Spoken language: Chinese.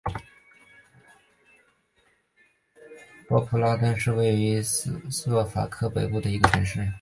波普拉德是位于斯洛伐克北部的一个城市。